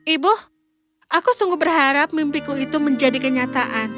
ibu aku sungguh berharap mimpiku itu menjadi kenyataan